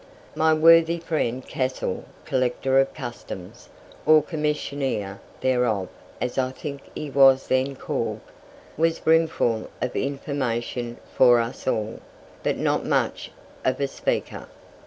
My worthy friend Cassell, Collector of Customs (or Commissioner thereof, as I think he was then called), was brimful of information for us all, but not much of a speaker.